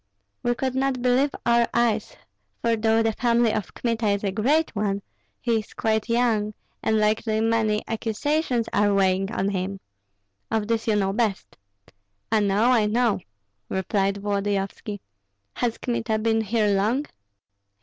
We could not believe our eyes; for though the family of Kmita is a great one, he is quite young, and likely many accusations are weighing on him. Of this you know best." "I know, I know," replied Volodyovski. "Has Kmita been here long?"